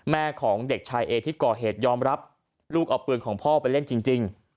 แม่ของเด็กชายเอที่ก่อเหตุยอมรับลูกเอาปืนของพ่อไปเล่นจริง